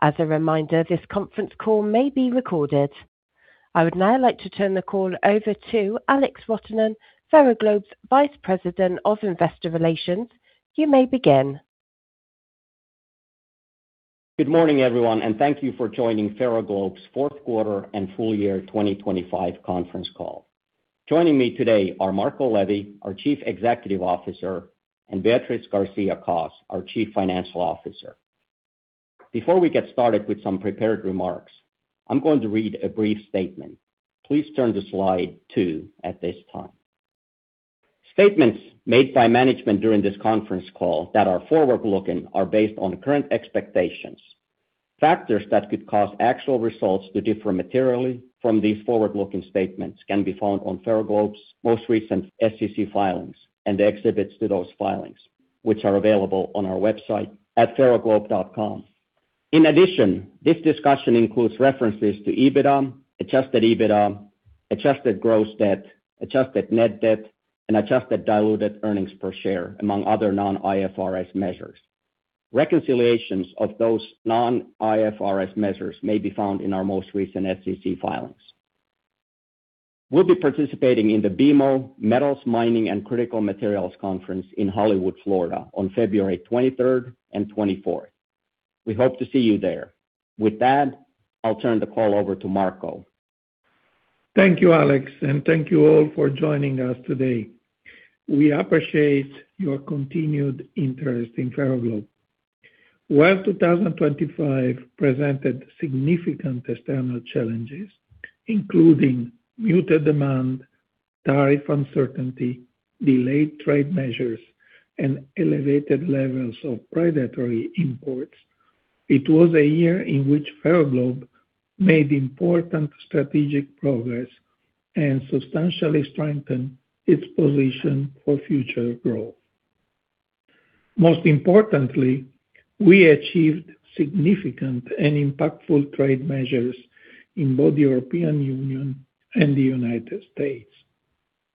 As a reminder, this conference call may be recorded. I would now like to turn the call over to Alex Rotonen, Ferroglobe's Vice President of Investor Relations. You may begin. Good morning, everyone, and thank you for joining Ferroglobe's fourth quarter and full year 2025 conference call. Joining me today are Marco Levi, our Chief Executive Officer, and Beatriz García-Cos, our Chief Financial Officer. Before we get started with some prepared remarks, I'm going to read a brief statement. Please turn to slide two at this time. Statements made by management during this conference call that are forward-looking are based on current expectations. Factors that could cause actual results to differ materially from these forward-looking statements can be found on Ferroglobe's most recent SEC filings and exhibits to those filings, which are available on our website at ferroglobe.com. In addition, this discussion includes references to EBITDA, Adjusted EBITDA, Adjusted Gross Debt, Adjusted Net Debt, and Adjusted Diluted Earnings Per Share, among other non-IFRS measures. Reconciliations of those non-IFRS measures may be found in our most recent SEC filings. We'll be participating in the BMO Metals, Mining, and Critical Materials Conference in Hollywood, Florida, on February 23rd and 24th. We hope to see you there. With that, I'll turn the call over to Marco. Thank you, Alex, and thank you all for joining us today. We appreciate your continued interest in Ferroglobe. While 2025 presented significant external challenges, including muted demand, tariff uncertainty, delayed trade measures, and elevated levels of predatory imports, it was a year in which Ferroglobe made important strategic progress and substantially strengthened its position for future growth. Most importantly, we achieved significant and impactful trade measures in both the European Union and the United States.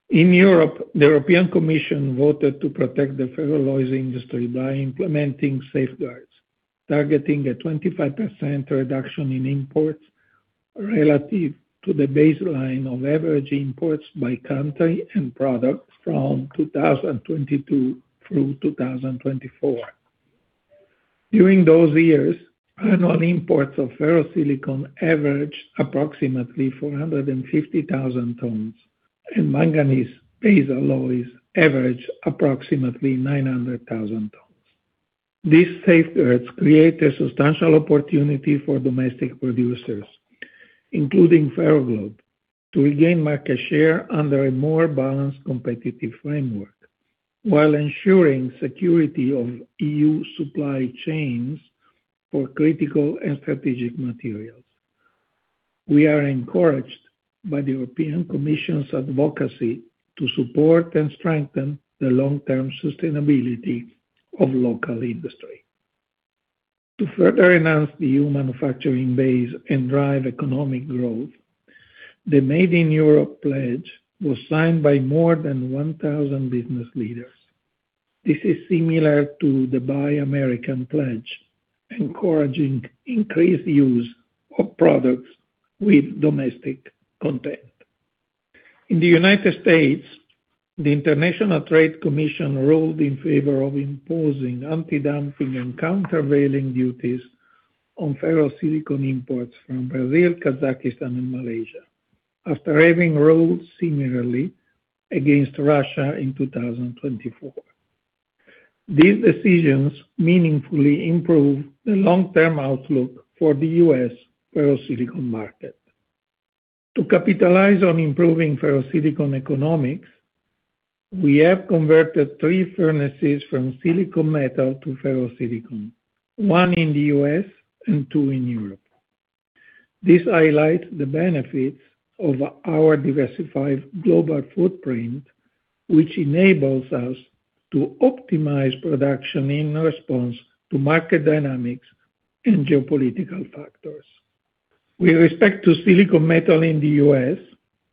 In Europe, the European Commission voted to protect the ferroalloy industry by implementing safeguards, targeting a 25% reduction in imports relative to the baseline of average imports by country and products from 2022 through 2024. During those years, annual imports of ferrosilicon averaged approximately 450,000 tons, and manganese-based alloys averaged approximately 900,000 tons. These safeguards create a substantial opportunity for domestic producers, including Ferroglobe, to regain market share under a more balanced competitive framework, while ensuring security of EU supply chains for critical and strategic materials. We are encouraged by the European Commission's advocacy to support and strengthen the long-term sustainability of local industry. To further enhance the EU manufacturing base and drive economic growth, the Made in Europe pledge was signed by more than 1,000 business leaders. This is similar to the Buy American pledge, encouraging increased use of products with domestic content. In the United States, the International Trade Commission ruled in favor of imposing antidumping and countervailing duties on ferrosilicon imports from Brazil, Kazakhstan, and Malaysia, after having ruled similarly against Russia in 2024. These decisions meaningfully improve the long-term outlook for the U.S. ferrosilicon market. To capitalize on improving ferrosilicon economics, we have converted three furnaces from silicon metal to ferrosilicon, one in the U.S. and two in Europe. This highlights the benefits of our diversified global footprint, which enables us to optimize production in response to market dynamics and geopolitical factors. With respect to silicon metal in the U.S.,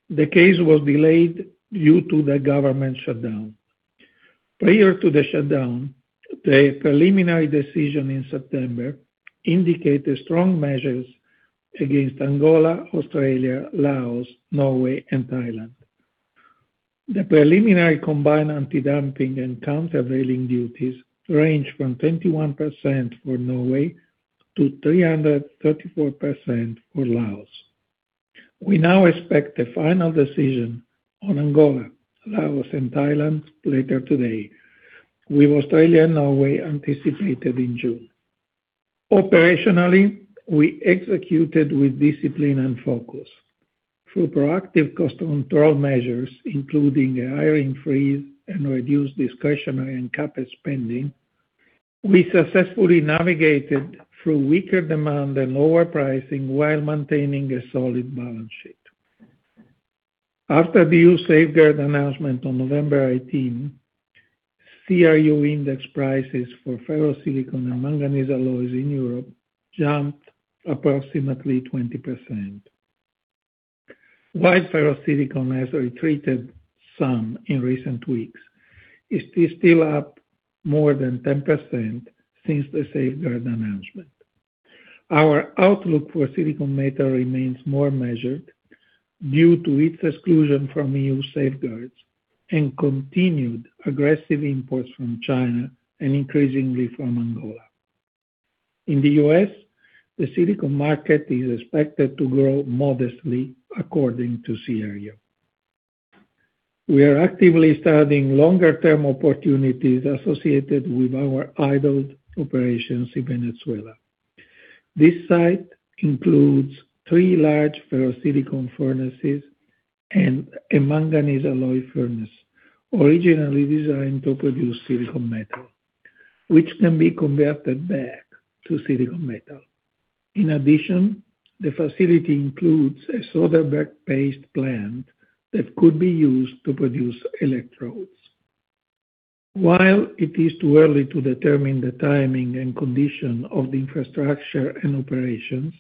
the case was delayed due to the government shutdown. Prior to the shutdown, the preliminary decision in September indicated strong measures against Angola, Australia, Laos, Norway, and Thailand. The preliminary combined antidumping and countervailing duties range from 21% for Norway to 334% for Laos. We now expect a final decision on Angola, Laos, and Thailand later today, with Australia and Norway anticipated in June. Operationally, we executed with discipline and focus. Through proactive cost control measures, including a hiring freeze and reduced discretionary and capital spending, we successfully navigated through weaker demand and lower pricing while maintaining a solid balance sheet. After the EU safeguard announcement on November 18th, CRU index prices for ferrosilicon and manganese alloys in Europe jumped approximately 20%. While ferrosilicon has retreated some in recent weeks, it's still, still up more than 10% since the safeguard announcement. Our outlook for silicon metal remains more measured due to its exclusion from EU safeguards and continued aggressive imports from China and increasingly from Angola. In the U.S., the silicon market is expected to grow modestly according to CRU. We are actively studying longer-term opportunities associated with our idled operations in Venezuela. This site includes three large ferrosilicon furnaces and a manganese alloy furnace, originally designed to produce silicon metal, which can be converted back to silicon metal. In addition, the facility includes a Soderberg-based plant that could be used to produce electrodes. While it is too early to determine the timing and condition of the infrastructure and operations,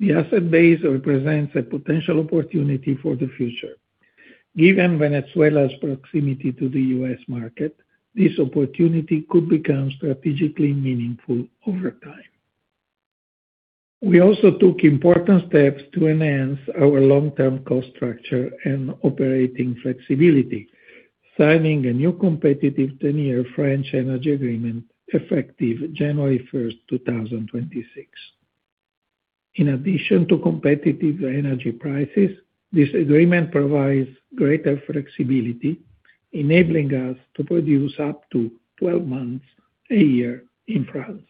the asset base represents a potential opportunity for the future. Given Venezuela's proximity to the U.S. market, this opportunity could become strategically meaningful over time. We also took important steps to enhance our long-term cost structure and operating flexibility, signing a new competitive 10-year French energy agreement effective January 1st, 2026. In addition to competitive energy prices, this agreement provides greater flexibility, enabling us to produce up to 12 months a year in France.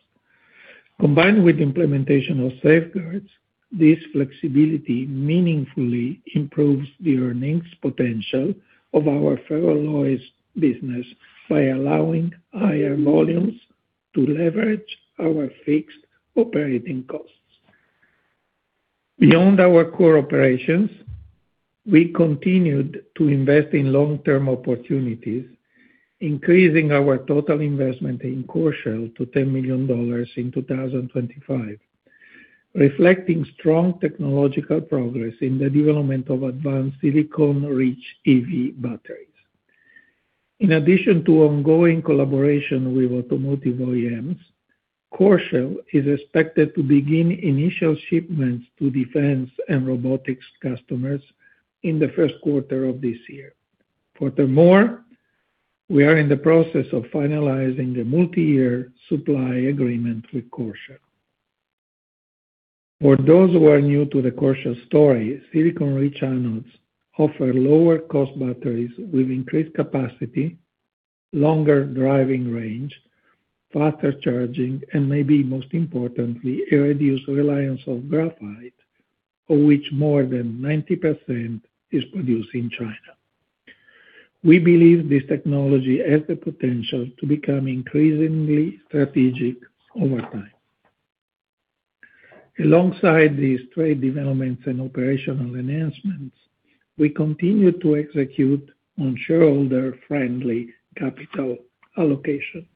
Combined with implementation of safeguards, this flexibility meaningfully improves the earnings potential of our ferroalloys business by allowing higher volumes to leverage our fixed operating costs. Beyond our core operations, we continued to invest in long-term opportunities, increasing our total investment in Coreshell to $10 million in 2025, reflecting strong technological progress in the development of advanced silicon-rich EV batteries. In addition to ongoing collaboration with automotive OEMs, Coreshell is expected to begin initial shipments to defense and robotics customers in the first quarter of this year. Furthermore, we are in the process of finalizing a multi-year supply agreement with Coreshell. For those who are new to the Coreshell story, silicon-rich anodes offer lower cost batteries with increased capacity, longer driving range, faster charging, and maybe most importantly, a reduced reliance on graphite, of which more than 90% is produced in China. We believe this technology has the potential to become increasingly strategic over time. Alongside these trade developments and operational enhancements, we continue to execute on shareholder-friendly capital allocation.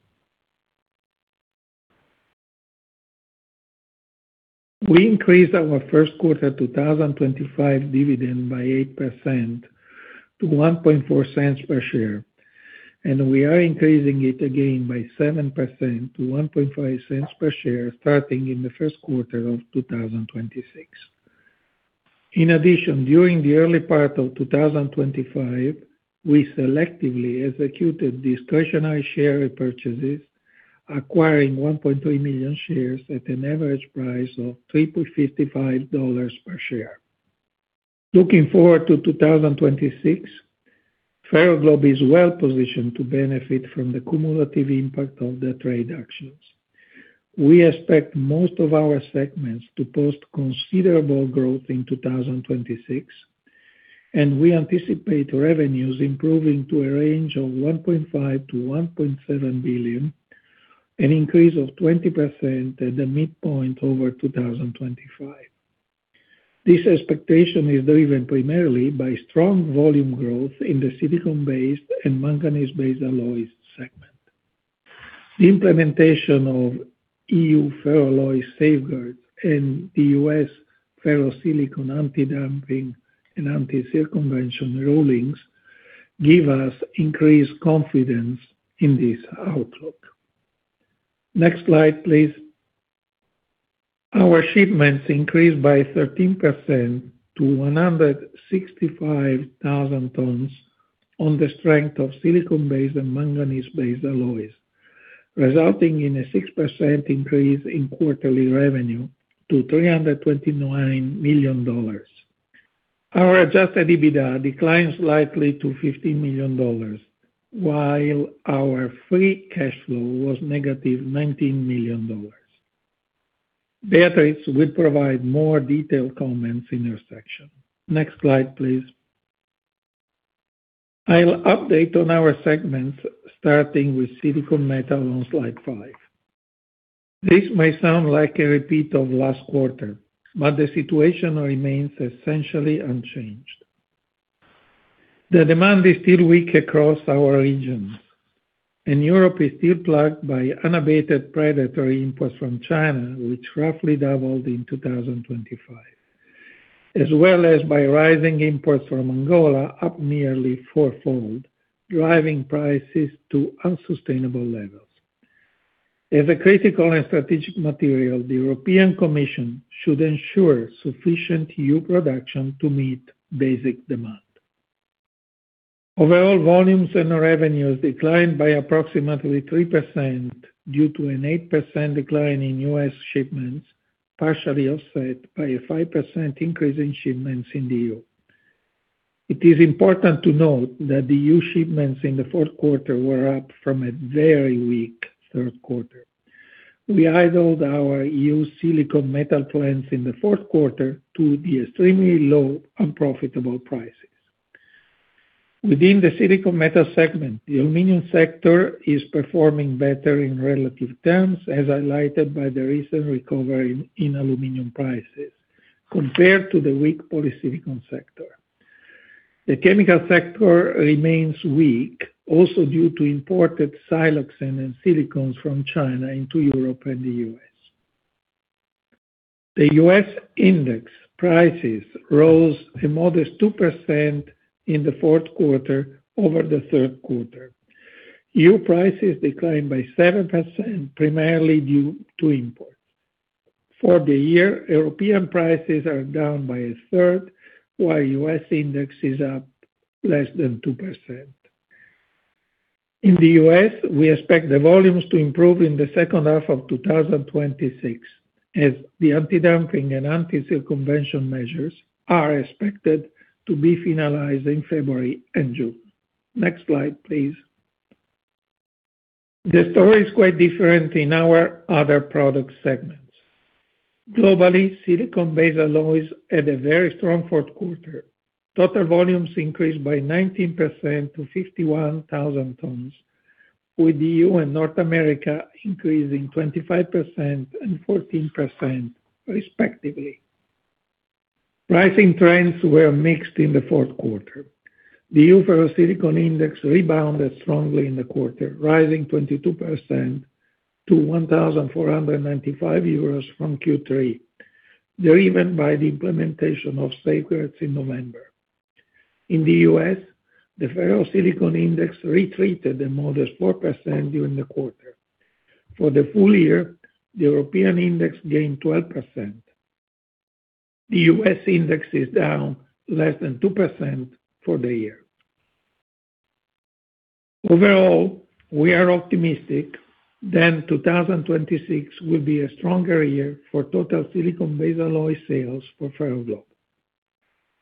We increased our first quarter 2025 dividend by 8% to $0.014 per share, and we are increasing it again by 7% to $0.015 per share, starting in the first quarter of 2026. In addition, during the early part of 2025, we selectively executed discretionary share repurchases, acquiring 1.3 million shares at an average price of $3.55 per share. Looking forward to 2026, Ferroglobe is well positioned to benefit from the cumulative impact of the trade actions. We expect most of our segments to post considerable growth in 2026, and we anticipate revenues improving to a range of $1.5 billion-$1.7 billion, an increase of 20% at the midpoint over 2025. This expectation is driven primarily by strong volume growth in the silicon-based and manganese-based alloys segment. The implementation of EU ferroalloy safeguards and the U.S. ferrosilicon antidumping and anti-circumvention rulings give us increased confidence in this outlook. Next slide, please. Our shipments increased by 13% to 165,000 tons on the strength of silicon-based and manganese-based alloys, resulting in a 6% increase in quarterly revenue to $329 million. Our Adjusted EBITDA declined slightly to $15 million, while our free cash flow was -$19 million. Beatriz will provide more detailed comments in her section. Next slide, please. I'll update on our segments, starting with silicon metal on slide five. This may sound like a repeat of last quarter, but the situation remains essentially unchanged. The demand is still weak across our regions, and Europe is still plagued by unabated predatory imports from China, which roughly doubled in 2025, as well as by rising imports from Angola, up nearly fourfold, driving prices to unsustainable levels. As a critical and strategic material, the European Commission should ensure sufficient EU production to meet basic demand. Overall, volumes and revenues declined by approximately 3% due to an 8% decline in U.S. shipments, partially offset by a 5% increase in shipments in the EU. It is important to note that the EU shipments in the fourth quarter were up from a very weak third quarter. We idled our EU silicon metal plants in the fourth quarter to the extremely low, unprofitable prices. Within the silicon metal segment, the aluminum sector is performing better in relative terms, as highlighted by the recent recovery in aluminum prices, compared to the weak polysilicon sector. The chemical sector remains weak, also due to imported siloxane and silicones from China into Europe and the U.S. The U.S. index prices rose a modest 2% in the fourth quarter over the third quarter. EU prices declined by 7%, primarily due to imports. For the year, European prices are down by a third, while U.S. index is up less than 2%. In the U.S., we expect the volumes to improve in the second half of 2026, as the antidumping and anti-circumvention measures are expected to be finalized in February and June. Next slide, please. The story is quite different in our other product segments. Globally, silicon-based alloys had a very strong fourth quarter. Total volumes increased by 19% to 51,000 tons, with the EU and North America increasing 25% and 14%, respectively. Pricing trends were mixed in the fourth quarter. The EU ferrosilicon index rebounded strongly in the quarter, rising 22% to 1,495 euros from Q3, driven by the implementation of safeguards in November. In the US, the ferrosilicon index retreated a modest 4% during the quarter. For the full year, the European index gained 12%. The U.S. index is down less than 2% for the year. Overall, we are optimistic that 2026 will be a stronger year for total silicon-based alloy sales for Ferroglobe.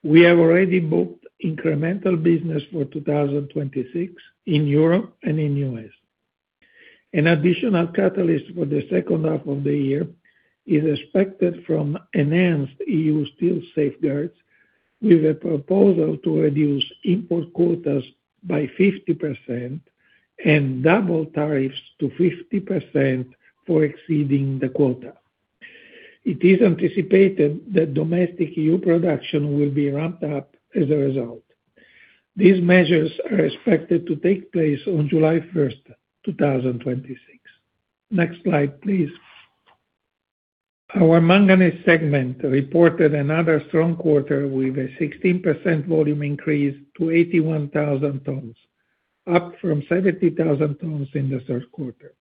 We have already booked incremental business for 2026 in Europe and in US. An additional catalyst for the second half of the year is expected from enhanced EU steel safeguards, with a proposal to reduce import quotas by 50% and double tariffs to 50% for exceeding the quota. It is anticipated that domestic EU production will be ramped up as a result. These measures are expected to take place on July 1st, 2026. Next slide, please. Our manganese segment reported another strong quarter with a 16% volume increase to 81,000 tons, up from 70,000 tons in the third quarter.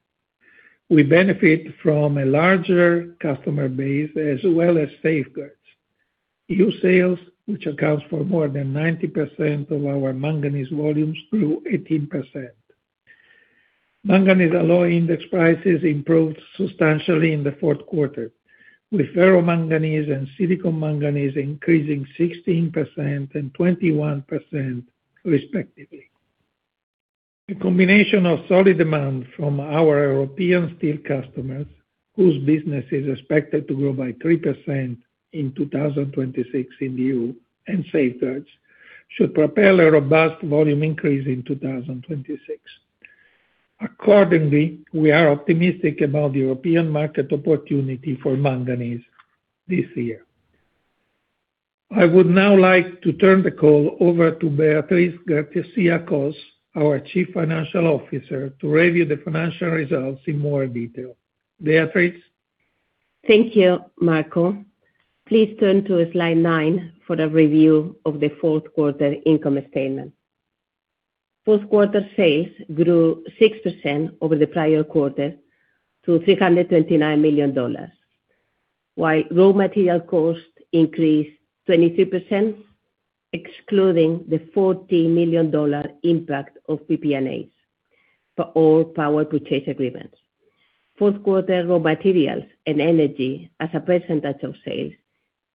We benefit from a larger customer base as well as safeguards. EU sales, which accounts for more than 90% of our manganese volumes, grew 18%. Manganese alloy index prices improved substantially in the fourth quarter, with ferromanganese and silicon manganese increasing 16% and 21%, respectively. A combination of solid demand from our European steel customers, whose business is expected to grow by 3% in 2026 in the EU, and safeguards, should propel a robust volume increase in 2026. Accordingly, we are optimistic about the European market opportunity for manganese this year. I would now like to turn the call over to Beatriz García-Cos, our Chief Financial Officer, to review the financial results in more detail. Beatriz? Thank you, Marco. Please turn to slide nine for the review of the fourth quarter income statement. Fourth quarter sales grew 6% over the prior quarter to $329 million, while raw material costs increased 22%, excluding the $40 million impact of PPA for all power purchase agreements. Fourth quarter raw materials and energy as a percentage of sales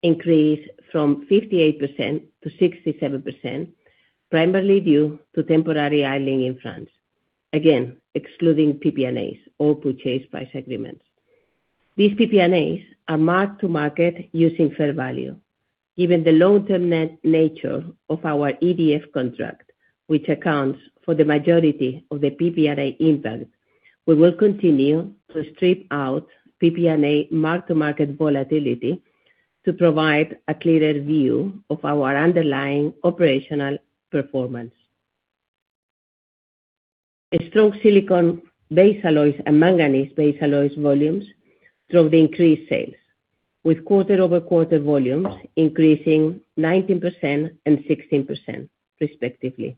increased from 58% to 67%, primarily due to temporary idling in France. Again, excluding PPAs or purchase price agreement. These PPAs are mark-to-market using fair value. Given the long-term nature of our EDF contract, which accounts for the majority of the PPA impact, we will continue to strip out PPA mark-to-market volatility to provide a clearer view of our underlying operational performance. A strong silicon-based alloys and manganese-based alloys volumes drove the increased sales, with quarter-over-quarter volumes increasing 19% and 16% respectively.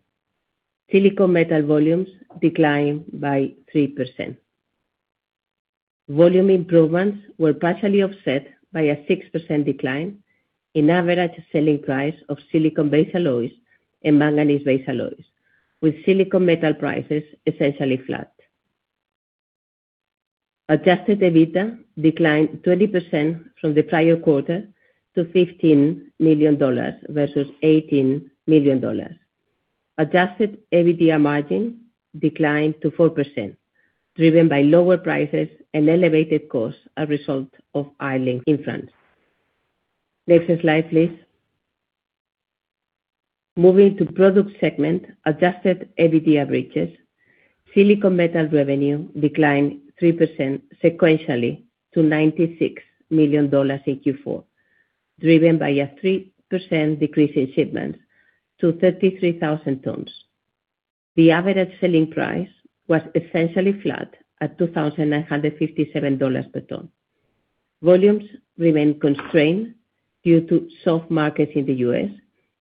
Silicon metal volumes declined by 3%. Volume improvements were partially offset by a 6% decline in average selling price of silicon-based alloys and manganese-based alloys, with silicon metal prices essentially flat. Adjusted EBITDA declined 20% from the prior quarter to $15 million versus $18 million. Adjusted EBITDA margin declined to 4%, driven by lower prices and elevated costs, a result of idling in France. Next slide, please. Moving to product segment, Adjusted EBITDA averages, silicon metal revenue declined 3% sequentially to $96 million in Q4, driven by a 3% decrease in shipments to 33,000 tons. The average selling price was essentially flat at $2,957 per ton. Volumes remained constrained due to soft markets in the U.S.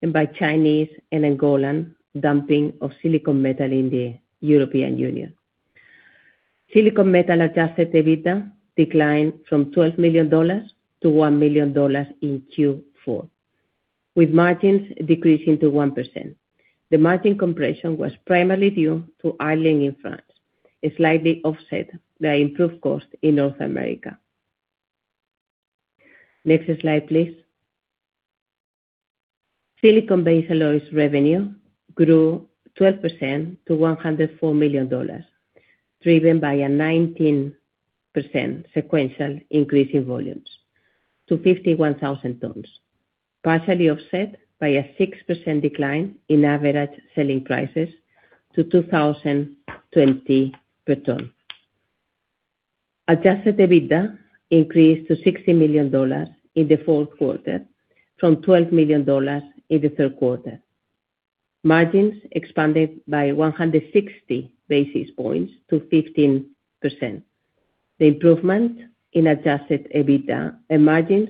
and by Chinese and Angolan dumping of silicon metal in the European Union. Silicon metal Adjusted EBITDA declined from $12 million to $1 million in Q4, with margins decreasing to 1%. The margin compression was primarily due to idling in France, slightly offset by improved cost in North America. Next slide, please. Silicon-based alloys revenue grew 12% to $104 million, driven by a 19% sequential increase in volumes to 51,000 tons, partially offset by a 6% decline in average selling prices to $2,020 per ton. Adjusted EBITDA increased to $60 million in the fourth quarter from $12 million in the third quarter. Margins expanded by 160 basis points to 15%. The improvement in Adjusted EBITDA and margins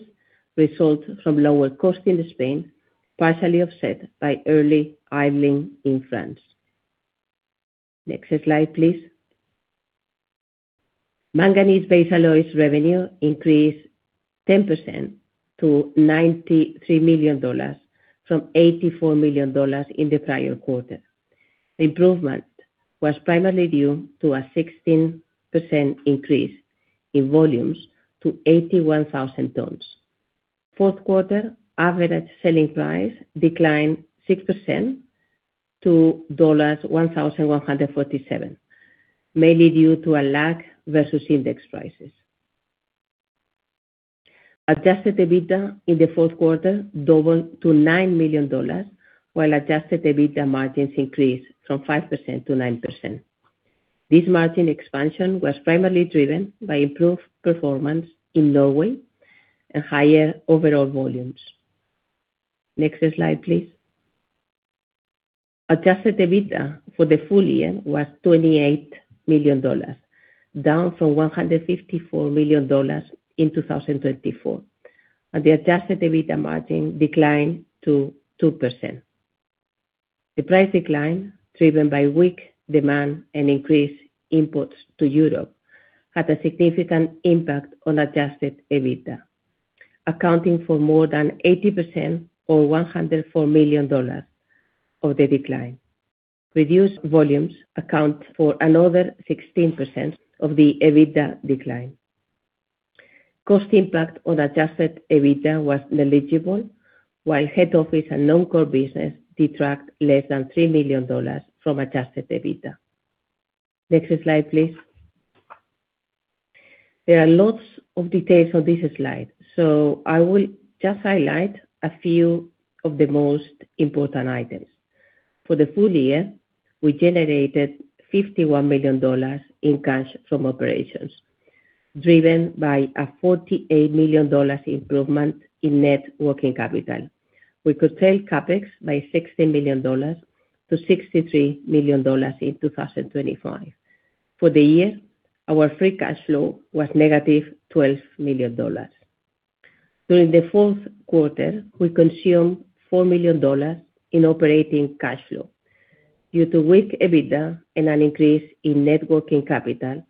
result from lower cost in Spain, partially offset by early idling in France. Next slide, please. Manganese-based alloys revenue increased 10% to $93 million from $84 million in the prior quarter. Improvement was primarily due to a 16% increase in volumes to 81,000 tons. Fourth quarter average selling price declined 6% to $1,147, mainly due to a lag versus index prices. Adjusted EBITDA in the fourth quarter doubled to $9 million, while Adjusted EBITDA margins increased from 5% to 9%. This margin expansion was primarily driven by improved performance in Norway and higher overall volumes. Next slide, please. Adjusted EBITDA for the full year was $28 million, down from $154 million in 2024, and the Adjusted EBITDA margin declined to 2%. The price decline, driven by weak demand and increased imports to Europe, had a significant impact on Adjusted EBITDA, accounting for more than 80% or $104 million of the decline. Reduced volumes account for another 16% of the EBITDA decline. Cost impact on Adjusted EBITDA was negligible, while head office and non-core business detract less than $3 million from Adjusted EBITDA. Next slide, please. There are lots of details on this slide, so I will just highlight a few of the most important items. For the full year, we generated $51 million in cash from operations, driven by a $48 million improvement in net working capital. We could sell CapEx by $60 million-$63 million in 2025. For the year, our free cash flow was -$12 million. During the fourth quarter, we consumed $4 million in operating cash flow due to weak EBITDA and an increase in net working capital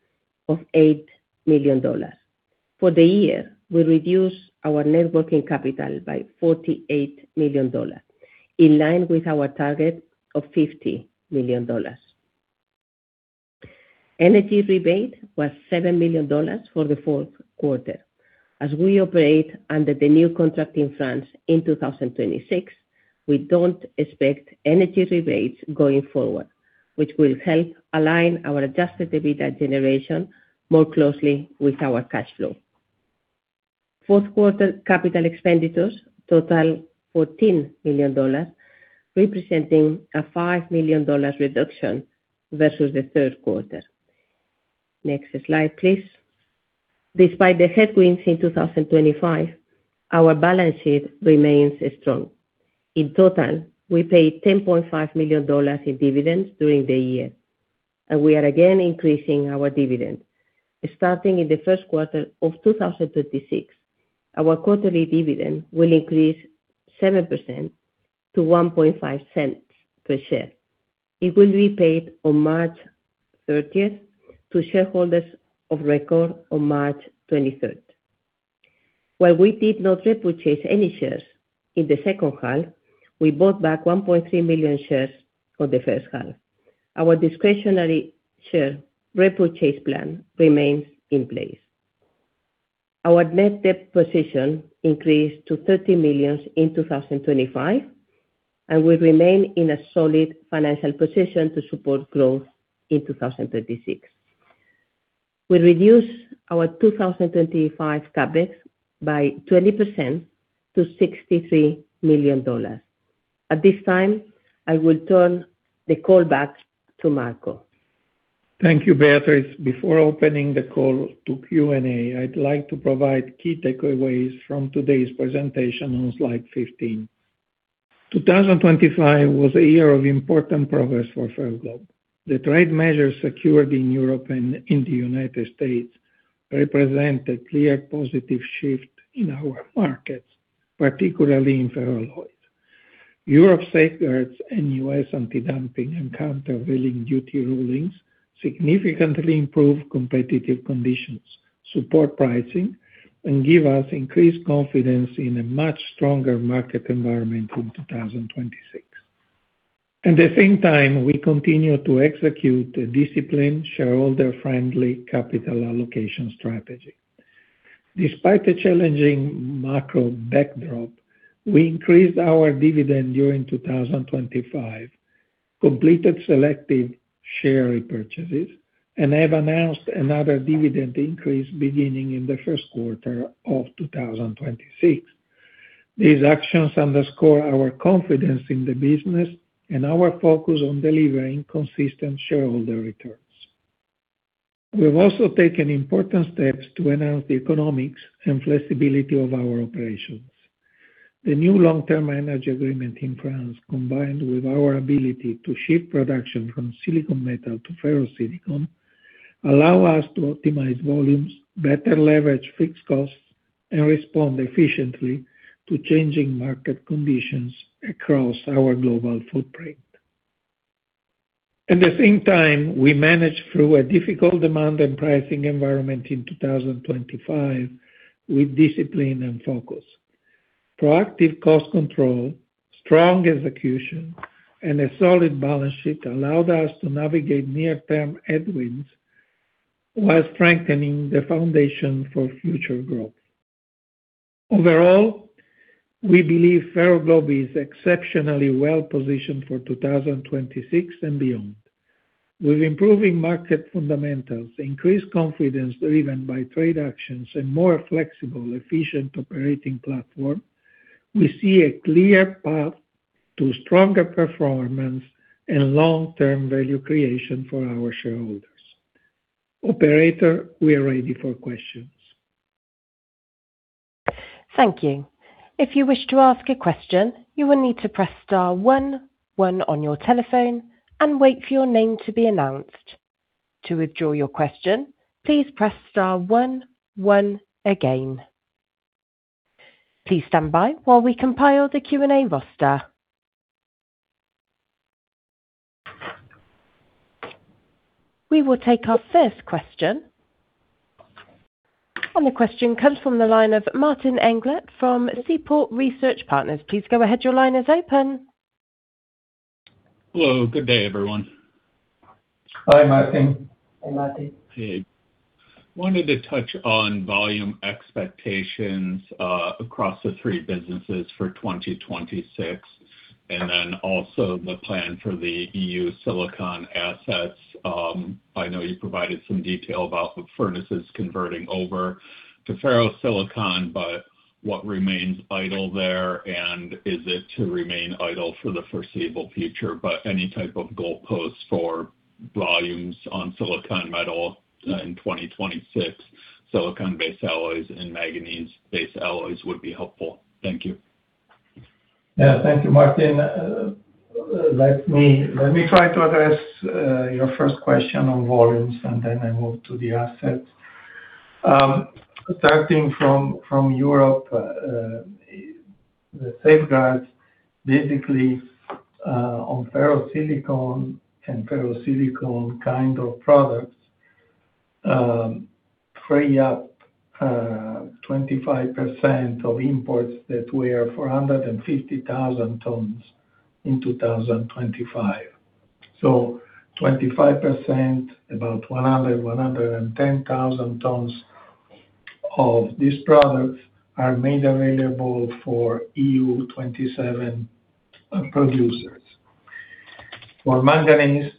of $8 million. For the year, we reduced our net working capital by $48 million, in line with our target of $50 million. Energy rebate was $7 million for the fourth quarter. As we operate under the new contract in France in 2026, we don't expect energy rebates going forward, which will help align our Adjusted EBITDA generation more closely with our cash flow. Fourth quarter capital expenditures total $14 million, representing a $5 million reduction versus the third quarter. Next slide, please. Despite the headwinds in 2025, our balance sheet remains strong. In total, we paid $10.5 million in dividends during the year, and we are again increasing our dividend. Starting in the first quarter of 2026, our quarterly dividend will increase 7% to $0.015 per share. It will be paid on March 30th to shareholders of record on March 23rd. While we did not repurchase any shares in the second half, we bought back 1.3 million shares for the first half. Our discretionary share repurchase plan remains in place. Our net debt position increased to $30 million in 2025, and we remain in a solid financial position to support growth in 2026. We reduced our 2025 CapEx by 20% to $63 million. At this time, I will turn the call back to Marco. Thank you, Beatriz. Before opening the call to Q&A, I'd like to provide key takeaways from today's presentation on slide 15. 2025 was a year of important progress for Ferroglobe. The trade measures secured in Europe and in the United States represent a clear positive shift in our markets, particularly in ferroalloy. Europe safeguards and U.S. antidumping and countervailing duty rulings significantly improve competitive conditions, support pricing, and give us increased confidence in a much stronger market environment in 2026. At the same time, we continue to execute a disciplined, shareholder-friendly capital allocation strategy. Despite the challenging macro backdrop, we increased our dividend during 2025, completed selective share repurchases, and have announced another dividend increase beginning in the first quarter of 2026. These actions underscore our confidence in the business and our focus on delivering consistent shareholder returns. We've also taken important steps to enhance the economics and flexibility of our operations. The new long-term energy agreement in France, combined with our ability to ship production from silicon metal to ferrosilicon, allow us to optimize volumes, better leverage fixed costs, and respond efficiently to changing market conditions across our global footprint. At the same time, we managed through a difficult demand and pricing environment in 2025 with discipline and focus. Proactive cost control, strong execution, and a solid balance sheet allowed us to navigate near-term headwinds while strengthening the foundation for future growth. Overall, we believe Ferroglobe is exceptionally well-positioned for 2026 and beyond. With improving market fundamentals, increased confidence driven by trade actions, and more flexible, efficient operating platform, we see a clear path to stronger performance and long-term value creation for our shareholders. Operator, we are ready for questions. Thank you. If you wish to ask a question, you will need to press star one one on your telephone and wait for your name to be announced. To withdraw your question, please press star one one again. Please stand by while we compile the Q&A roster. We will take our first question. The question comes from the line of Martin Englert from Seaport Research Partners. Please go ahead. Your line is open. Hello, good day, everyone. Hi, Martin. Hi, Martin. Hey. Wanted to touch on volume expectations across the three businesses for 2026, and then also the plan for the EU silicon assets. I know you provided some detail about the furnaces converting over to ferrosilicon, but what remains idle there, and is it to remain idle for the foreseeable future? But any type of goalposts for volumes on silicon metal in 2026, silicon-based alloys and manganese-based alloys would be helpful. Thank you. Yeah. Thank you, Martin. Let me try to address your first question on volumes, and then I move to the assets. Starting from Europe, the safeguards basically on ferrosilicon and ferrosilicon kind of products free up 25% of imports that were 450,000 tons in 2025. So 25%, about 110,000 tons of these products are made available for EU 27 producers. For manganese,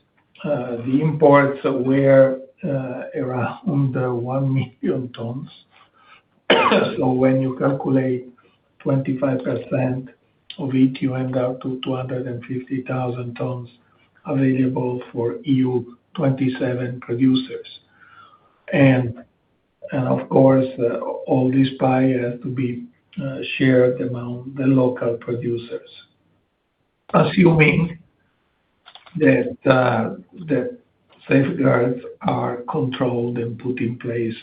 the imports were around 1 million tons. So when you calculate 25% of it, you end up to 250,000 tons available for EU 27 producers. Of course, all this pie has to be shared among the local producers, assuming that the safeguards are controlled and put in place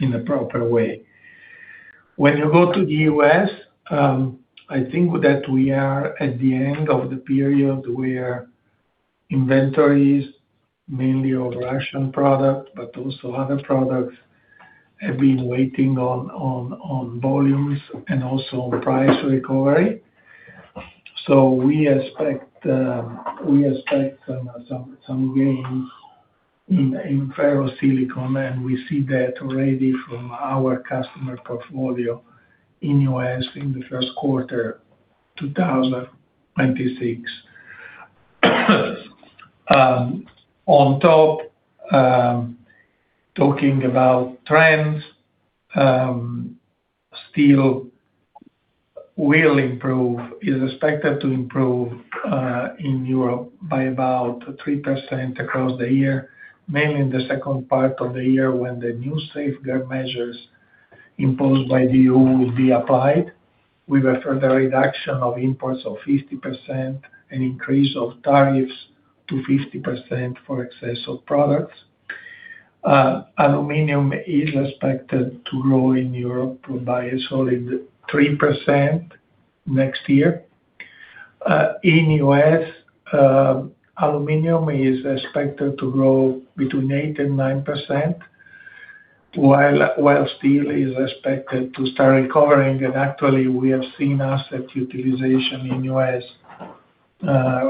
in a proper way. When you go to the U.S., I think that we are at the end of the period where inventories, mainly of Russian product, but also other products, have been waiting on volumes and also price recovery. We expect, we expect some gains in ferrosilicon, and we see that already from our customer portfolio in the U.S., in the first quarter, 2026. On top, talking about trends, steel will improve, is expected to improve, in Europe by about 3% across the year, mainly in the second part of the year, when the new safeguard measures imposed by the EU will be applied. We refer the reduction of imports of 50% and increase of tariffs to 50% for excess of products. Aluminum is expected to grow in Europe by a solid 3% next year. In the U.S., aluminum is expected to grow between 8% and 9%, while steel is expected to start recovering, and actually, we have seen asset utilization in the U.S.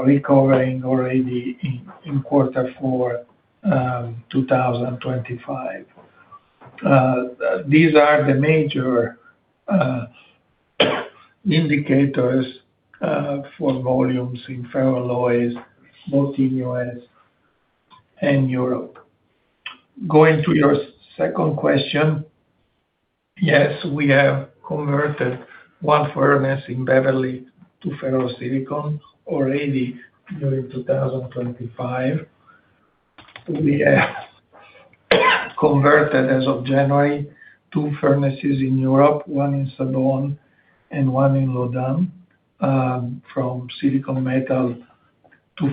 recovering already in quarter four, 2025. These are the major indicators for volumes in ferroalloys, both in the U.S. and Europe. Going to your second question, yes, we have converted one furnace in Beverly to ferrosilicon already during 2025. We have converted, as of January, two furnaces in Europe, one in Sabón and one in Laudun, from silicon metal to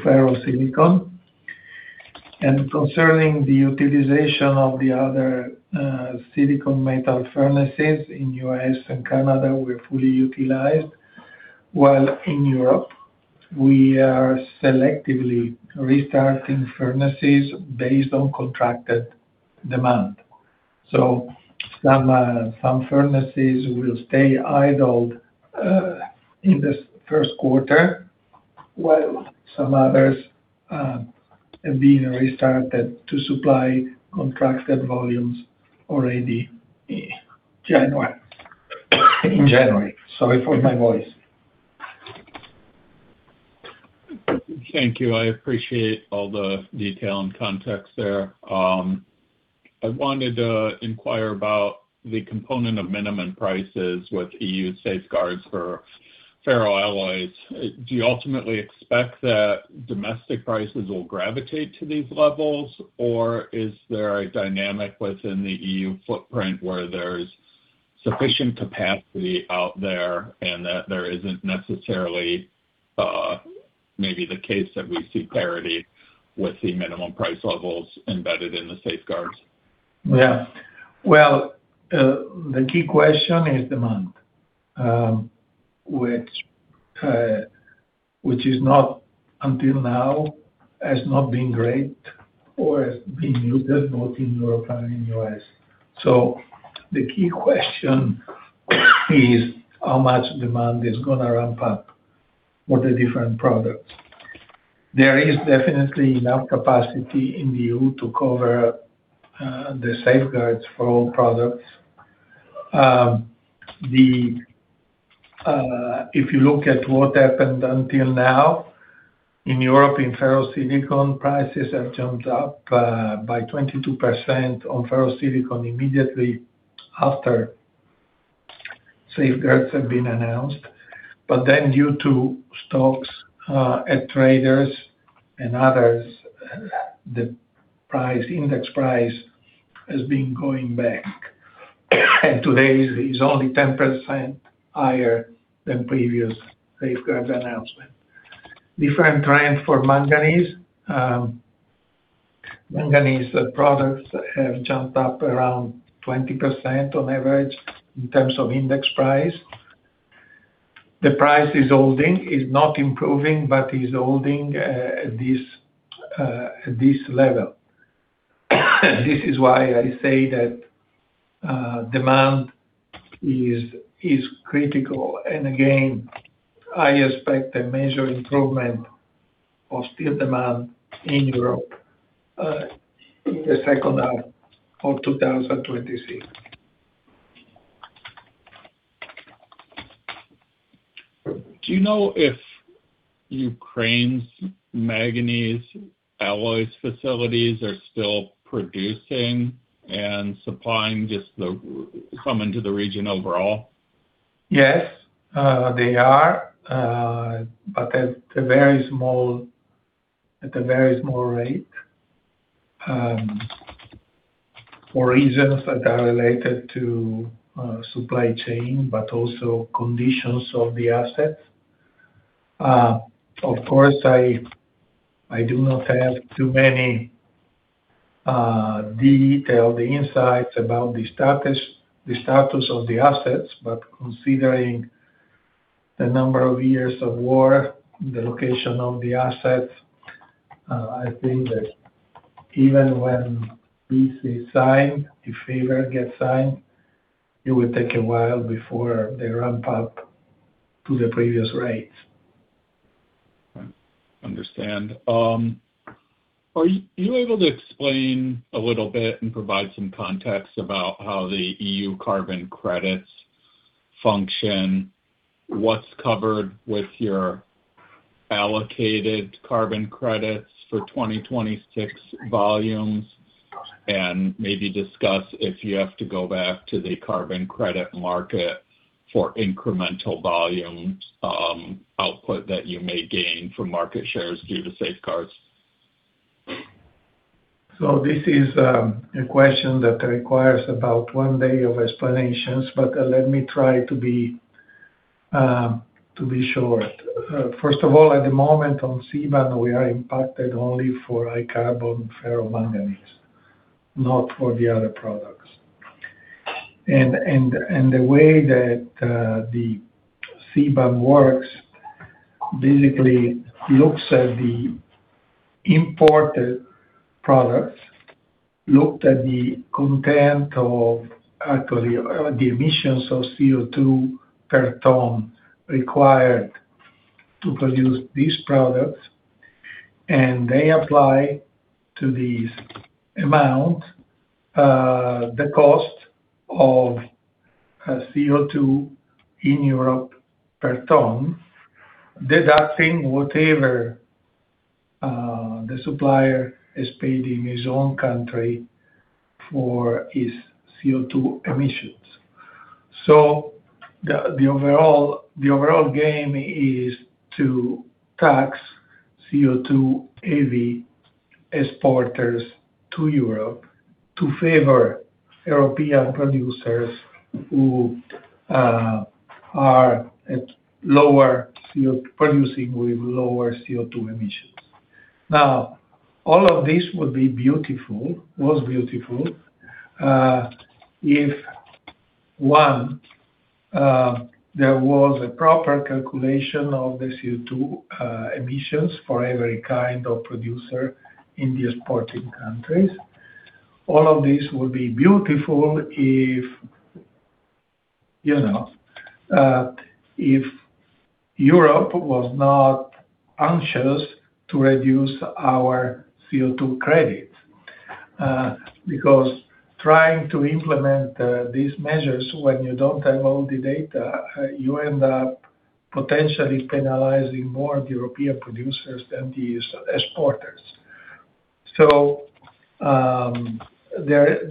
ferrosilicon. Concerning the utilization of the other silicon metal furnaces in U.S. and Canada, we're fully utilized, while in Europe, we are selectively restarting furnaces based on contracted demand. So some furnaces will stay idled in this first quarter, while some others have been restarted to supply contracted volumes already in January. Sorry for my voice. Thank you. I appreciate all the detail and context there. I wanted to inquire about the component of minimum prices with EU safeguards for ferroalloys. Do you ultimately expect that domestic prices will gravitate to these levels, or is there a dynamic within the EU footprint where there's sufficient capacity out there, and that there isn't necessarily, maybe the case that we see parity with the minimum price levels embedded in the safeguards? Yeah. Well, the key question is demand, which is not until now, has not been great or has been muted, both in Europe and in the U.S. The key question is, how much demand is gonna ramp up for the different products? There is definitely enough capacity in the EU to cover the safeguards for all products. If you look at what happened until now, in Europe, in ferrosilicon, prices have jumped up by 22% on ferrosilicon immediately after safeguards have been announced. Due to stocks at traders and others, the index price has been going back, and today is only 10% higher than previous safeguards announcement. Different trend for manganese. Manganese, the products have jumped up around 20% on average in terms of index price. The price is holding, is not improving, but is holding at this level. This is why I say that demand is critical. And again, I expect a major improvement of steel demand in Europe in the second half of 2026.... Do you know if Ukraine's manganese alloys facilities are still producing and supplying some into the region overall? Yes, they are, but at a very small, at a very small rate, for reasons that are related to supply chain, but also conditions of the assets. Of course, I do not have too many details, the insights about the status of the assets, but considering the number of years of war, the location of the assets, I think that even when peace is signed, if ever gets signed, it will take a while before they ramp up to the previous rates. Right. Understand. Are you able to explain a little bit and provide some context about how the EU carbon credits function, what's covered with your allocated carbon credits for 2026 volumes, and maybe discuss if you have to go back to the carbon credit market for incremental volume, output that you may gain from market shares due to safeguards? So this is a question that requires about one day of explanations, but let me try to be to be short. First of all, at the moment on CBAM, we are impacted only for high carbon ferromanganese, not for the other products. And the way that the CBAM works, basically looks at the imported products, looked at the content of actually the emissions of CO2 per ton required to produce these products. And they apply to this amount the cost of CO2 in Europe per ton, deducting whatever the supplier is paid in his own country for his CO2 emissions. So the overall game is to tax CO2 heavy exporters to Europe to favor European producers who are at lower CO2-producing with lower CO2 emissions. Now, all of this would be beautiful, was beautiful, if, one, there was a proper calculation of the CO2 emissions for every kind of producer in the exporting countries. All of this would be beautiful if, you know, if Europe was not anxious to reduce our CO2 credit. Because trying to implement these measures when you don't have all the data, you end up potentially penalizing more of the European producers than these exporters. So, there is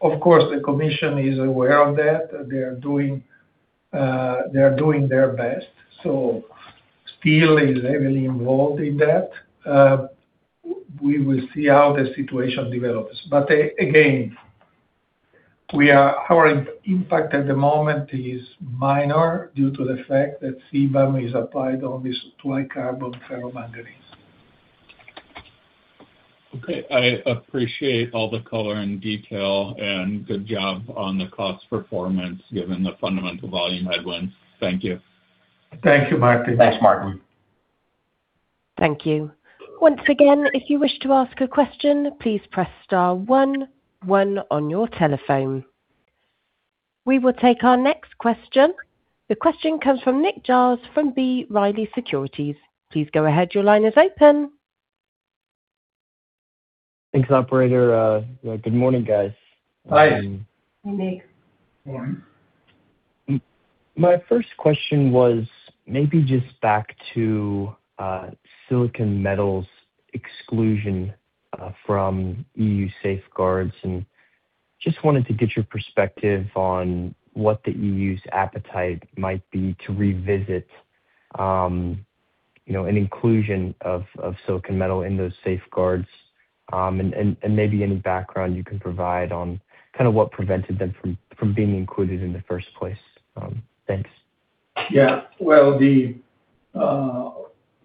of course, the commission is aware of that. They're doing, they're doing their best, so still is heavily involved in that. We will see how the situation develops. But again, we are our impact at the moment is minor due to the fact that CBAM is applied on this high carbon ferromanganese. Okay. I appreciate all the color and detail, and good job on the cost performance, given the fundamental volume headwinds. Thank you. Thank you, Martin. Thanks, Martin. Thank you. Once again, if you wish to ask a question, please press star one one on your telephone. We will take our next question. The question comes from Nick Giles from B. Riley Securities. Please go ahead. Your line is open. Thanks, operator. Good morning, guys. Hi. Hi, Nick. Morning. My first question was maybe just back to silicon metal's exclusion from EU safeguards, and just wanted to get your perspective on what the EU's appetite might be to revisit, you know, an inclusion of silicon metal in those safeguards. And maybe any background you can provide on kind of what prevented them from being included in the first place. Thanks. Yeah. Well,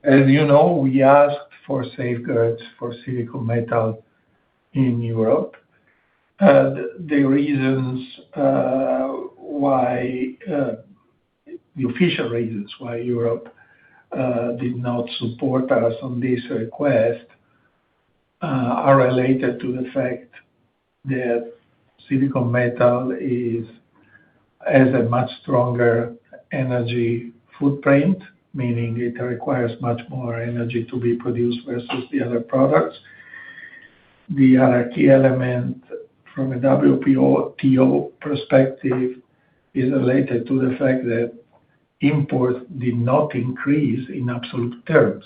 as you know, we asked for safeguards for silicon metal in Europe. The official reasons why Europe did not support us on this request are related to the fact that silicon metal has a much stronger energy footprint, meaning it requires much more energy to be produced versus the other products... The other key element from a WTO perspective is related to the fact that imports did not increase in absolute terms.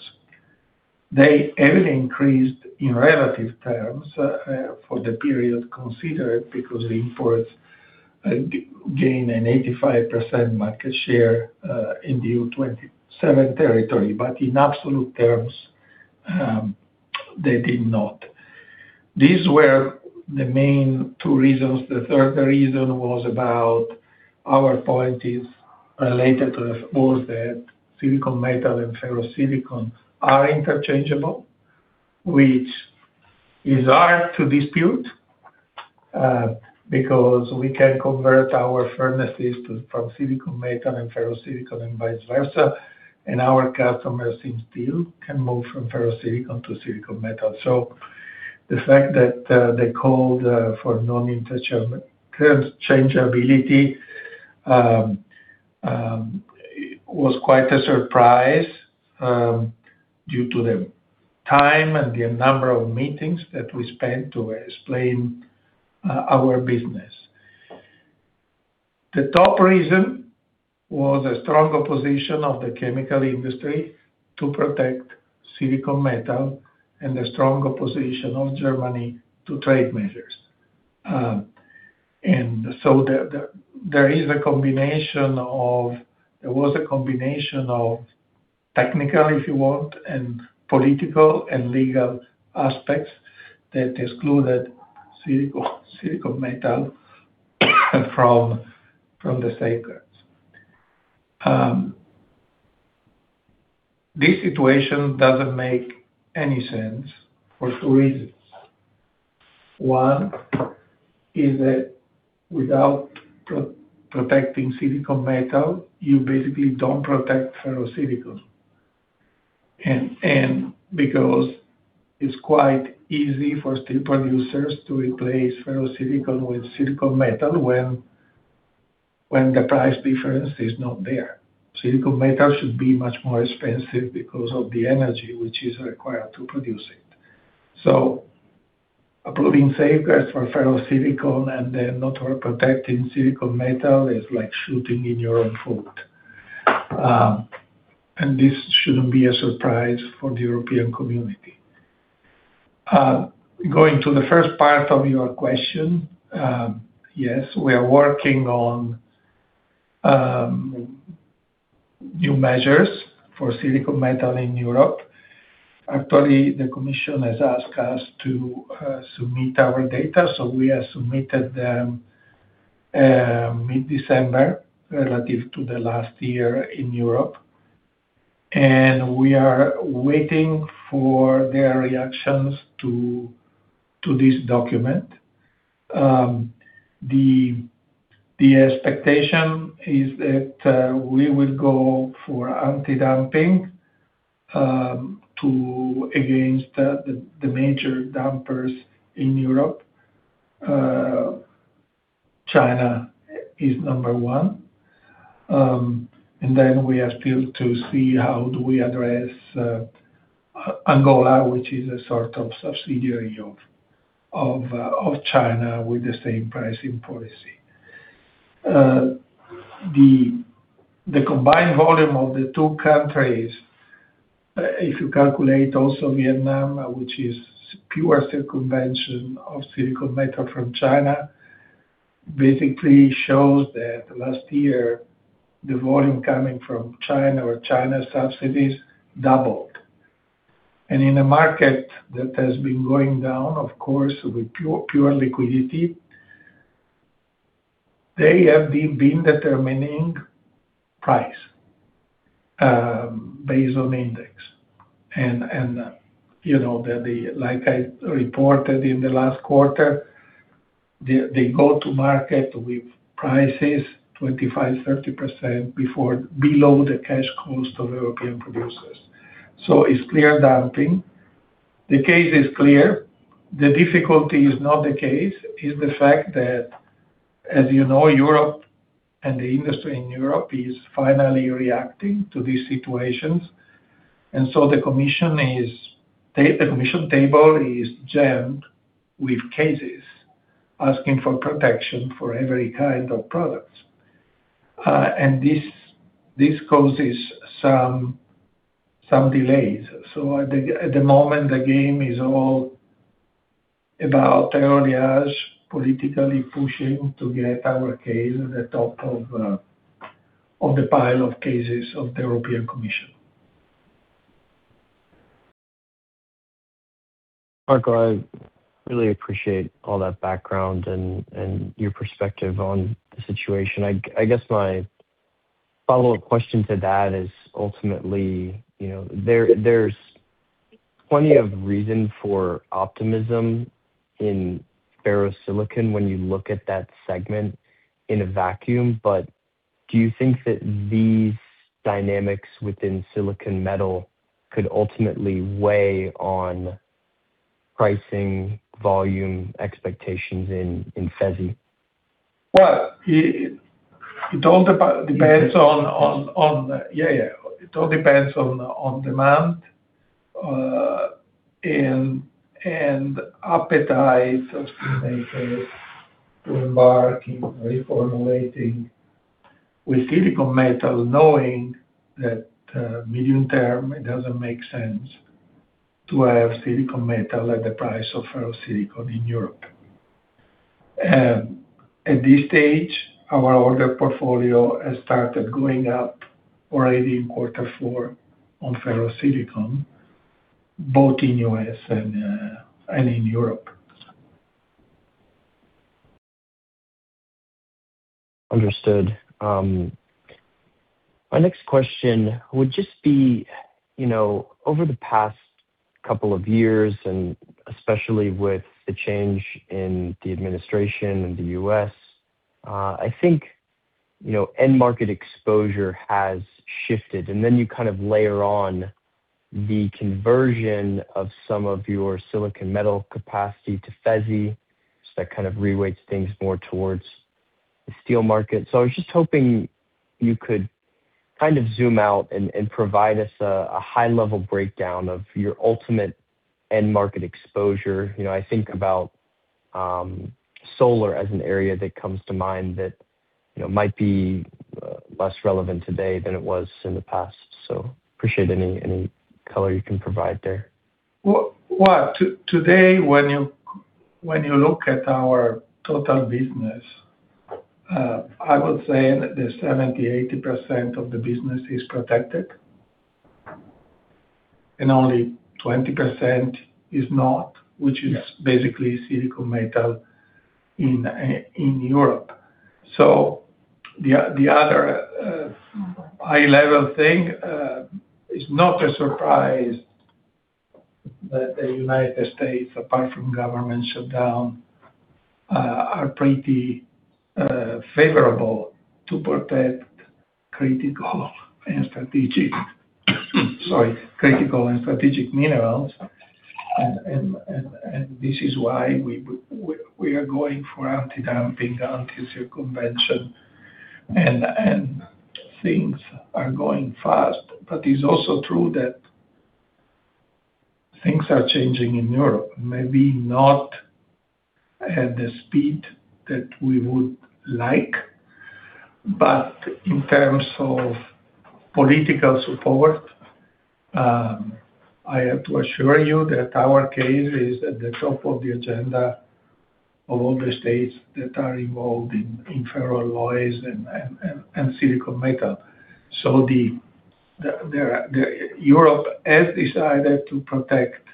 They only increased in relative terms for the period considered, because the imports gain an 85% market share in the EU 27 territory, but in absolute terms, they did not. These were the main two reasons. The third reason was about our point is related to the fact that silicon metal and ferrosilicon are interchangeable, which is hard to dispute, because we can convert our furnaces to, from silicon metal and ferrosilicon, and vice versa, and our customers in steel can move from ferrosilicon to silicon metal. So the fact that they called for non-interchangeability was quite a surprise, due to the time and the number of meetings that we spent to explain our business. The top reason was a strong opposition of the chemical industry to protect silicon metal and the strong opposition of Germany to trade measures. And so there is a combination of... There was a combination of technical, if you want, and political and legal aspects that excluded silicon, silicon metal from, from the safeguards. This situation doesn't make any sense for two reasons. One is that without protecting silicon metal, you basically don't protect ferrosilicon. And because it's quite easy for steel producers to replace ferrosilicon with silicon metal, when the price difference is not there. Silicon metal should be much more expensive because of the energy which is required to produce it. So approving safeguards for ferrosilicon and then not protecting silicon metal is like shooting in your own foot. And this shouldn't be a surprise for the European community. Going to the first part of your question, yes, we are working on new measures for silicon metal in Europe. Actually, the commission has asked us to submit our data, so we have submitted them mid-December, relative to the last year in Europe, and we are waiting for their reactions to this document. The expectation is that we will go for anti-dumping against the major dumpers in Europe. China is number one, and then we are still to see how do we address Angola, which is a sort of subsidiary of China, with the same pricing policy. The combined volume of the two countries, if you calculate also Vietnam, which is pure circumvention of silicon metal from China, basically shows that last year, the volume coming from China or China subsidies doubled. And in a market that has been going down, of course, with pure liquidity, they have been determining price based on index. And you know that, like I reported in the last quarter, they go to market with prices 25%-30% below the cash cost of European producers. So it's clear dumping. The case is clear. The difficulty is not the case, it's the fact that, as you know, Europe and the industry in Europe is finally reacting to these situations. And so the Commission is... The Commission table is jammed with cases asking for protection for every kind of products. And this causes some delays. So at the moment, the game is all about triage, politically pushing to get our case at the top of the pile of cases of the European Commission. Marco, I really appreciate all that background and your perspective on the situation. I guess my follow-up question to that is ultimately, you know, there's plenty of reason for optimism in ferrosilicon when you look at that segment in a vacuum. But do you think that these dynamics within silicon metal could ultimately weigh on pricing, volume, expectations in FeSi? Well, it all depends on demand and appetite of steelmakers to embark in reformulating with silicon metal, knowing that medium term, it doesn't make sense to have silicon metal at the price of ferrosilicon in Europe. At this stage, our order portfolio has started going up already in quarter four on ferrosilicon, both in U.S. and in Europe. Understood. My next question would just be, you know, over the past couple of years, and especially with the change in the administration in the U.S., I think, you know, end market exposure has shifted, and then you kind of layer on the conversion of some of your silicon metal capacity to FeSi. So that kind of reweights things more towards the steel market. So I was just hoping you could kind of zoom out and provide us a high-level breakdown of your ultimate end market exposure. You know, I think about solar as an area that comes to mind that, you know, might be less relevant today than it was in the past. So appreciate any color you can provide there. Well, today, when you look at our total business, I would say that 70%-80% of the business is protected, and only 20% is not, which is basically silicon metal in Europe. So the other high level thing is not a surprise that the United States, apart from government shutdown, are pretty favorable to protect critical and strategic, sorry, critical and strategic minerals. And this is why we are going for antidumping, anti-circumvention, and things are going fast. But it's also true that things are changing in Europe, maybe not at the speed that we would like, but in terms of political support, I have to assure you that our case is at the top of the agenda of all the states that are involved in ferroalloys and silicon metal. So Europe has decided to protect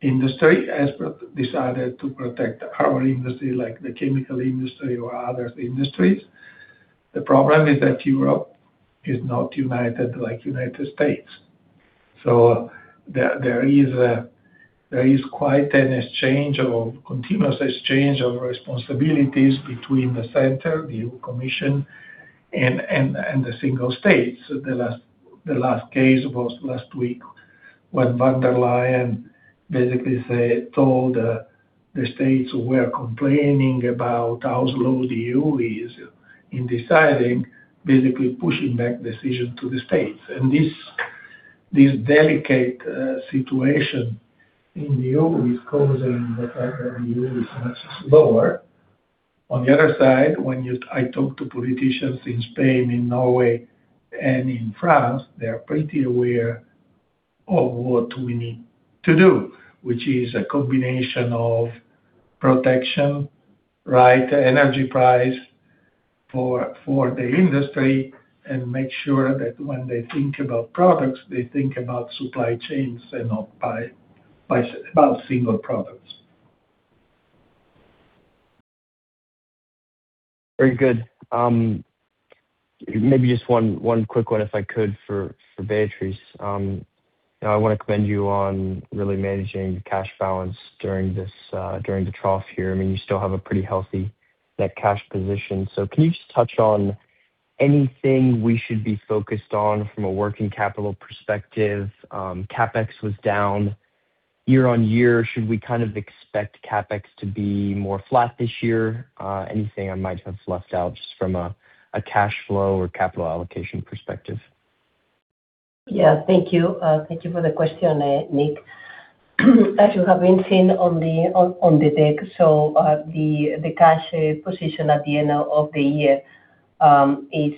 industry, has decided to protect our industry, like the chemical industry or other industries. The problem is that Europe is not united like the United States. So there is quite a continuous exchange of responsibilities between the center, the EU Commission, and the single states. The last, the last case was last week, when von der Leyen basically say, told, the states who were complaining about how slow the EU is in deciding, basically pushing back decision to the states. And this, this delicate, situation in the EU is causing the progress in the EU is much slower. On the other side, when I talk to politicians in Spain, in Norway, and in France, they are pretty aware of what we need to do, which is a combination of protection, right, energy price for, for the industry, and make sure that when they think about products, they think about supply chains and not by, by about single products. Very good. Maybe just one quick one, if I could, for Beatriz. I wanna commend you on really managing the cash balance during the trough here. I mean, you still have a pretty healthy net cash position. So can you just touch on anything we should be focused on from a working capital perspective? CapEx was down year-on-year. Should we kind of expect CapEx to be more flat this year? Anything I might have left out just from a cash flow or capital allocation perspective? Yeah. Thank you. Thank you for the question, Nick. As you have been seeing on the deck, the cash position at the end of the year is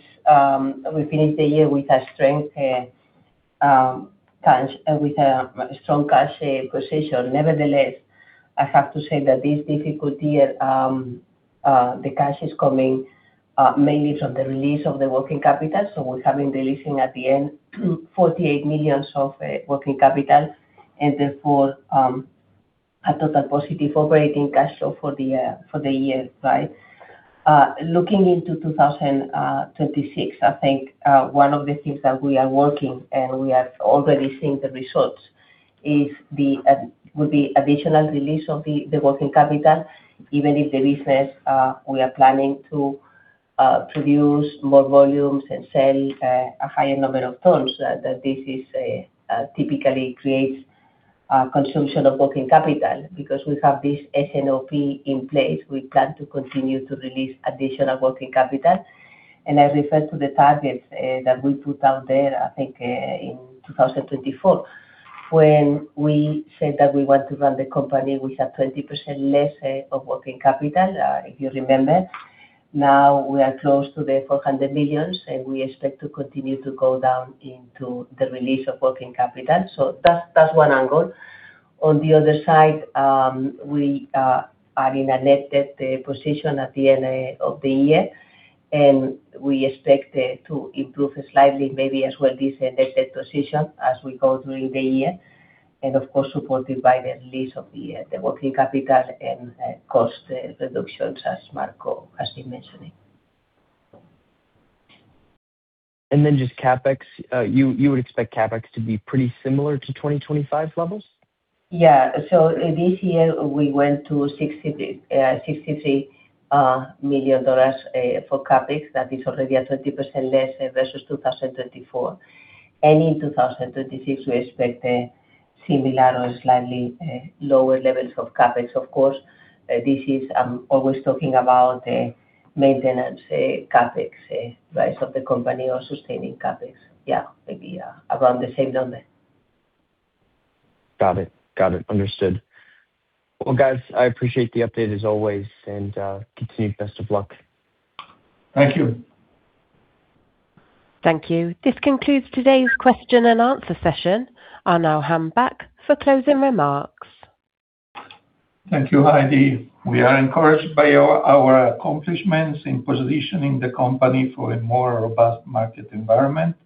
we finished the year with a strong cash position. Nevertheless, I have to say that this difficulty, the cash is coming mainly from the release of the working capital. So we're having releasing at the end, $48 million of working capital, and therefore, a total positive operating cash flow for the year, right? Looking into 2026, I think, one of the things that we are working, and we are already seeing the results, is the will be additional release of the working capital, even if the business, we are planning to produce more volumes and sell a higher number of tons, that this is typically creates consumption of working capital, because we have this S&OP in place, we plan to continue to release additional working capital. And I refer to the targets that we put out there, I think, in 2024, when we said that we want to run the company with 20% less of working capital, if you remember. Now we are close to $400 million, and we expect to continue to go down into the release of working capital. So that's one angle. On the other side, we are in a net debt position at the end of the year, and we expect to improve slightly, maybe as well, this net debt position as we go during the year, and of course, supported by the release of the working capital and cost reductions, as Marco has been mentioning. Just CapEx, you would expect CapEx to be pretty similar to 2025 levels? Yeah. So this year we went to $63 million for CapEx. That is already at 30% less versus 2024. And in 2026, we expect a similar or slightly lower levels of CapEx. Of course, this is always talking about maintenance CapEx, right, of the company or sustaining CapEx. Yeah, maybe around the same number. Got it. Got it, understood. Well, guys, I appreciate the update as always, and continued best of luck. Thank you. Thank you. This concludes today's question and answer session. I now hand back for closing remarks. Thank you, Heidi. We are encouraged by our accomplishments in positioning the company for a more robust market environment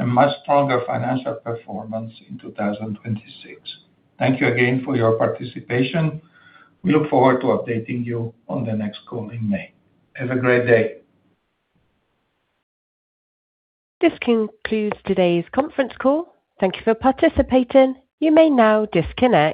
and much stronger financial performance in 2026. Thank you again for your participation. We look forward to updating you on the next call in May. Have a great day. This concludes today's conference call. Thank you for participating. You may now disconnect.